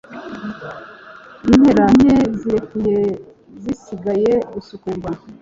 Impera nke zirekuye zisigaye gusukurwa.